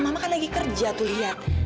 mama kan lagi kerja tuh lihat